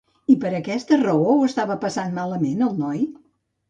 I per aquesta raó ho estava passant malament el noi?